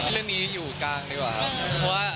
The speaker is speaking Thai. เรื่องนี้อยู่กลางดีกว่า